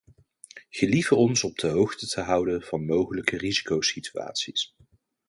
Gelieve ons op de hoogte te houden van mogelijke risicosituaties.